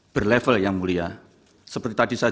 berlevel yang mulia seperti tadi saya